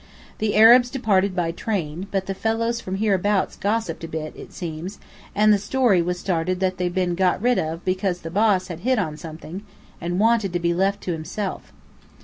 The Arabs departed by train; but the fellows from hereabouts gossiped a bit, it seemed, and the story was started that they'd been got rid of because the Boss had hit on something, and wanted to be left to himself.